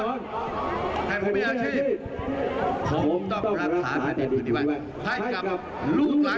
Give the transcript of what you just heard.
จับมือไปจับมือกันเดินเพราะว่าไปกับหน้า